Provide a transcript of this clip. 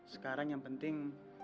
sekarang yang penting